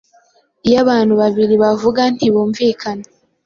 Iyo abantu babiri bavuga ntibumvikan